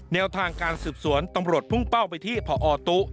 แนวทางการสืบสวนตำรวจพุ่งเป้าไปที่พอตุ๊